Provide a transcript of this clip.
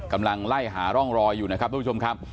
กำลังไล่หาร่องรอยอยู่นะครับ